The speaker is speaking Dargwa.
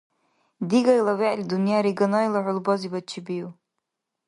Дигайла вегӀли дунъя риганайла хӀулбазибад чебиу